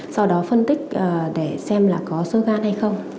sau đó phân tích để xem là có sơ gan hay không